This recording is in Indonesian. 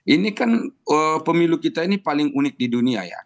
ini kan pemilu kita ini paling unik di dunia ya